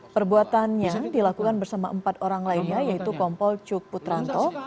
perbuatannya dilakukan bersama empat orang lainnya yaitu kompol cuk putranto